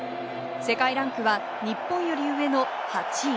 世界ランクは日本より上の８位。